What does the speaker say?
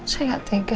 saya enggak tega